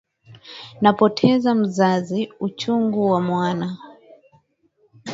Napoteza mzazi, uchungu wa mwana.